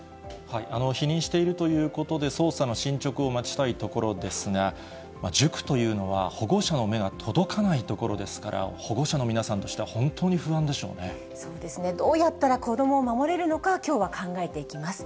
否認しているということで捜査の進捗を待ちたいところですが、塾というのは、保護者の目が届かないところですから、保護者の皆さんとしては、本当に不安でしょそうですね、どうやったら子どもを守れるのか、きょうは考えていきます。